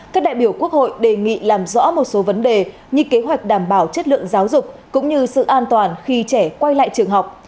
các đại biểu quốc hội đề nghị làm rõ một số vấn đề như kế hoạch đảm bảo chất lượng giáo dục cũng như sự an toàn khi trẻ quay lại trường học